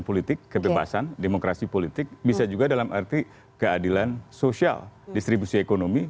politik kebebasan demokrasi politik bisa juga dalam arti keadilan sosial distribusi ekonomi